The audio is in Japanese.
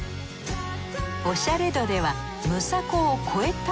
おしゃれ度ではムサコを超えた？